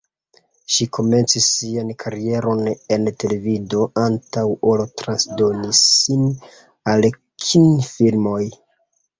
Ŝi komencis sian karieron en televido antaŭ ol transdoni sin al kinfilmoj.